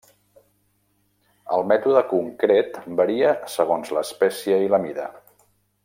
El mètode concret varia segons l'espècie i la mida.